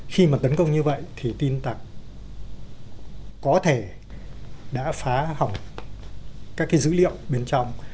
khi mà tấn công như vậy thì tin tặc có thể đã phá hỏng các cái dữ liệu bên trong